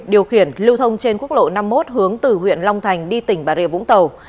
điều khiển lưu thông trên quốc lộ năm mươi một hướng từ huyện long thành đi tỉnh bà rịa vũng tàu